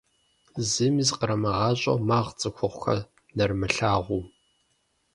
Зыми зыкърамыгъащӏэу, магъ цӏыхухъухэр нэрымылъагъуу.